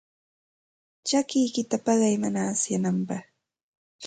Chakikiyta paqay mana asyananpaq.